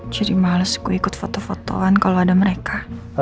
jadi males gue ikut foto fotoan kalau ada mereka